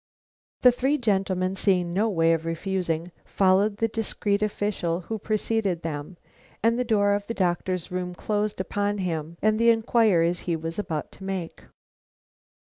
The three gentlemen, seeing no way of refusing, followed the discreet official who preceded them, and the door of the doctor's room closed upon him and the inquiries he was about to make.